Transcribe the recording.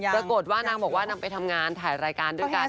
ปรากฏว่านางบอกว่านางไปทำงานถ่ายรายการด้วยกัน